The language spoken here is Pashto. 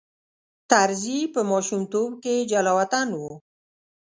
طرزی په ماشومتوب کې جلاوطن و.